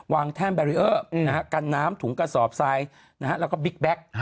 วางแท่มแบรียอร์กันน้ำถุงกระสอบซายและก็บิ๊กแบ็ค